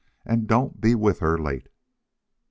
AND DON'T BE WITH HER LATE!" .